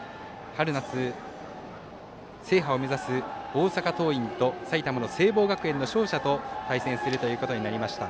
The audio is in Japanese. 春夏制覇を目指す大阪桐蔭と埼玉の聖望学園の勝者と対戦するということになりました。